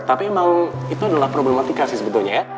tapi memang itu adalah problematika sih sebetulnya ya